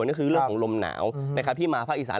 ก็คือเรื่องของลมหนาวที่มาภาคอีสาน